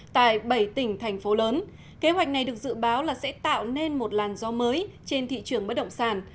tại bảy tỉnh thành phố lớn kế hoạch này được dự báo là sẽ tạo nên một làn gió mới trên thị trường bất động sản